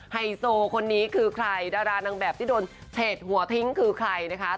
ไฮโซคนนี้คือใครดารานางแบบที่โดนเพจหัวทิ้งคือใครนะคะ